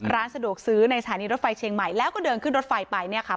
ร้านสะดวกซื้อในสถานีรถไฟเชียงใหม่แล้วก็เดินขึ้นรถไฟไปเนี่ยค่ะ